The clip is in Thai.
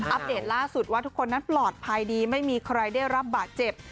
อัปเดตล่าสุดว่าทุกคนนั้นปลอดภัยดีไม่มีใครได้รับบาดเจ็บ